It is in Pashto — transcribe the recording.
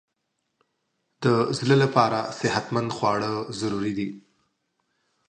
د زړه لپاره صحتمند خواړه ضروري دي.